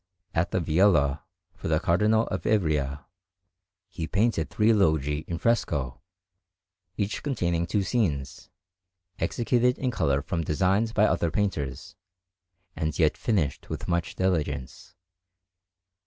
At the Viola, for the Cardinal of Ivrea, he painted three loggie in fresco, each containing two scenes, executed in colour from designs by other painters, and yet finished with much diligence.